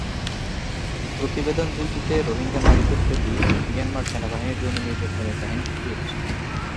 প্রতিবেদন দুইটিতে রোহিঙ্গা নারীদের প্রতি মিয়ানমার সেনাবাহিনীর যৌন নির্যাতনের কাহিনি ফুটে উঠেছে।